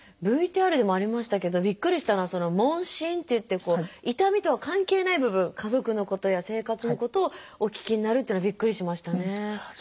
ＶＴＲでもありましたけどびっくりしたのは問診っていって痛みとは関係ない部分家族のことや生活のことをお聞きになるっていうのはびっくりしましたね。